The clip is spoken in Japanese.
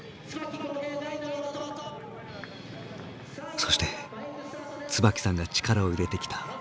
そして椿さんが力を入れてきたバイク。